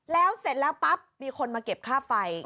แล้วเสร็จแล้วปั๊บมีคนมาเก็บค่าไฟ